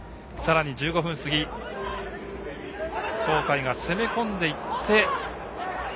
さらに１５分過ぎ東海が攻め込んでいって。